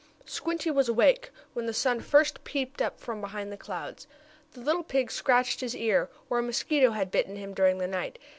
Squinty was awake when the sun first peeped up from behind the clouds. The little pig scratched his ear, where a mosquito had bitten him during the night.